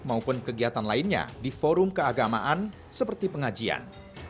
maupun kegiatan lainnya di forum keagamaan seperti pengajian